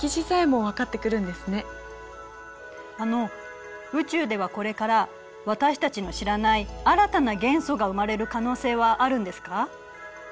あの宇宙ではこれから私たちの知らない新たな元素が生まれる可能性はあるんですか？